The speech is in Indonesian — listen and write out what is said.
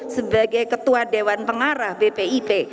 sebagai ketua dewan pengarah bpip